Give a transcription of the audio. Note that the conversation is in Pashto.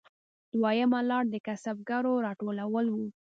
دویمه لار د کسبګرو راټولول وو